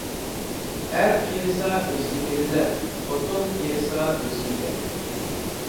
ئەر قېرىسا ئۆزىگە بىلىنەر، خوتۇن قېرىسا ئۆزگىگە.